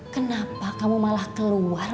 kenapa kamu malah keluar